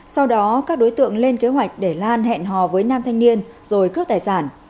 sau đó các đối tượng lên kế hoạch để lan hẹn hò với nam thanh niên rồi cướp tài sản